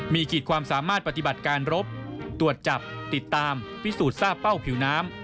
มีขีดความสามารถปฏิบัติการรบตรวจจับติดตามพิสูจน์ทราบเป้าผิวน้ำ